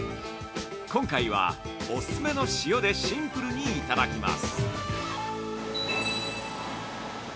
今回は、お勧めの塩でシンプルにいただきます。